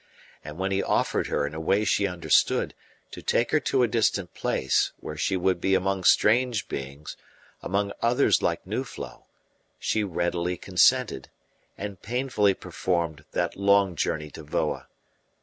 And when he offered her, in a way she understood, to take her to a distant place, where she would be among strange beings, among others like Nuflo, she readily consented, and painfully performed that long journey to Voa.